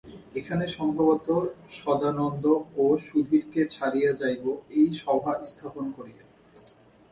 এখানে সম্ভবত সদানন্দ ও সুধীরকে ছাড়িয়া যাইব একটি সভা স্থাপন করিয়া।